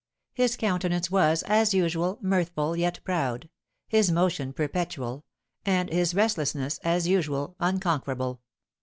His countenance was, as usual, mirthful, yet proud; his motion perpetual; and his restlessness, as usual, unconquerable.